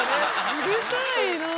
うるさいなぁ。